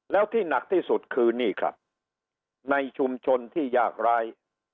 แล้วที่หนักที่สุดคือนี่ครับในชุมชนที่ยากร้าย